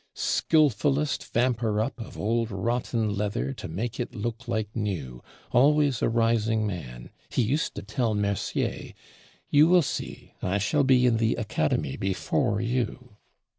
Skillfulest vamper up of old rotten leather, to make it look like new; always a rising man; he used to tell Mercier, "You will see; I shall be in the Academy before you."